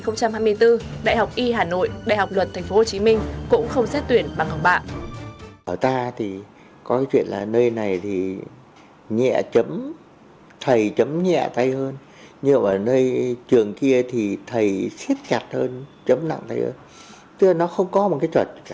năm hai nghìn hai mươi bốn đại học y hà nội đại học luật tp hcm cũng không xét tuyển bằng học bạ